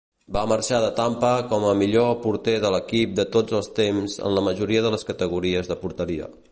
Va marxar de Tampa com a millor porter de l'equip de tots els temps en la majoria de les categories de porteria.